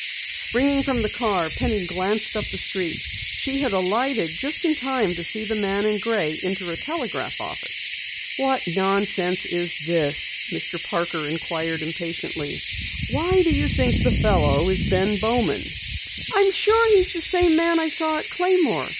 Springing from the car, Penny glanced up the street. She had alighted just in time to see the man in gray enter a telegraph office. "What nonsense is this?" Mr. Parker inquired impatiently. "Why do you think the fellow is Bowman?" "I'm sure he's the same man I saw at Claymore.